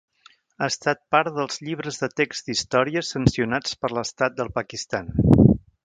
Ha estat part dels llibres de text d'història sancionats per l'estat del Pakistan.